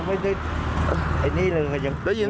ไอ้นี่รึง